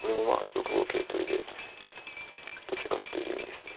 ６五桂取りでせかしている意味ですね。